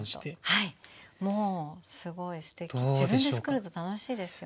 自分でつくると楽しいですよね。